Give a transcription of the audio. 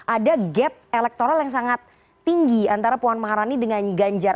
ada gap elektoral yang sangat tinggi antara puan maharani dengan ganjar